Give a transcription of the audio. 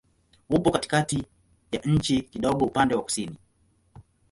Upo katikati ya nchi, kidogo upande wa kusini.